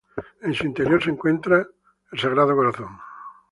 En su interior se encuentra el Sagrado Corazón de Jesús.